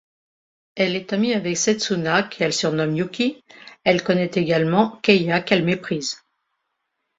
Elle est amie avec Setsuna qu'elle surnomme Yuki, elle connait également Keiya qu'elle méprise.